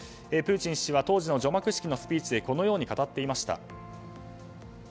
プーチン氏は当時の除幕式のスピーチでこのように語っていました。